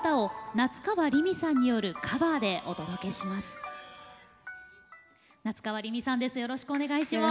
夏川りみさんです。